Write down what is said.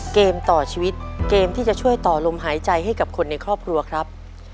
เกมต่อชีวิตเกมที่จะช่วยต่อลมหายใจให้กับคนในครอบครัวครับ